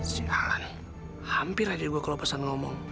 sialan hampir ada gue kalau pesan ngomong